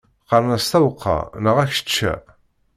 Qqaren-as tawekka neɣ akečča.